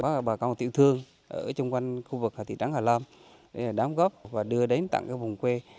có bà con tiểu thương ở chung quanh khu vực hà tị trắng hà lam để đám góp và đưa đến tặng cái vùng quê